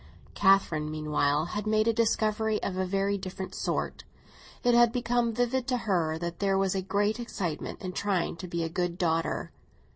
Catherine, meanwhile, had made a discovery of a very different sort; it had become vivid to her that there was a great excitement in trying to be a good daughter.